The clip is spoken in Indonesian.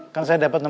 kan saya dapet nomer